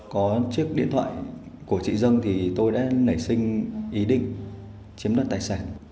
có chiếc điện thoại của chị dân thì tôi đã nảy sinh ý định chiếm đoạt tài sản